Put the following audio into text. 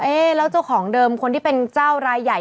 แล้วเจ้าของเดิมคนที่เป็นเจ้ารายใหญ่